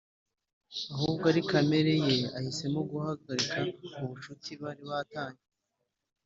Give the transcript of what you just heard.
Ahubwo ari kamere ye yahisemo guhagarika ubucuti bari ba tanye